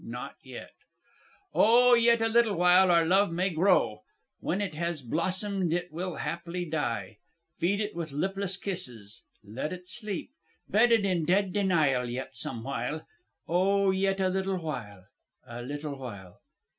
not yet... Oh, yet a little while our love may grow! When it has blossomed it will haply die. Feed it with lipless kisses, let it sleep, Bedded in dead denial yet some while... Oh, yet a little while, a little while.'